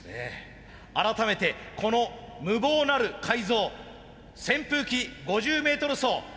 改めてこの無謀なる改造扇風機５０メートル走Ｓ